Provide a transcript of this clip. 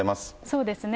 そうですね。